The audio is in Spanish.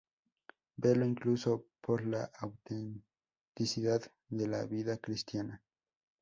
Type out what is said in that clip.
Veló incluso por la autenticidad de la vida cristiana.